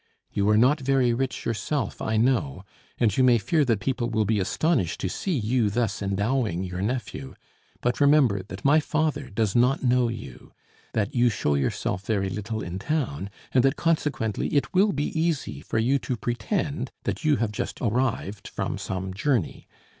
You are not very rich yourself, I know, and you may fear that people will be astonished to see you thus endowing your nephew; but remember that my father does not know you, that you show yourself very little in town, and that, consequently it will be easy for you to pretend that you have just arrived from some journey.